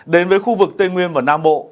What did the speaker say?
đến với khu vực tây nguyên và nam bộ